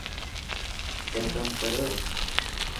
تين ڪم ڪريو.